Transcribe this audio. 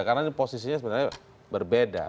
karena posisinya sebenarnya berbeda